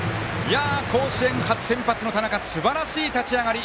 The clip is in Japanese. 甲子園初先発の田中すばらしい立ち上がり！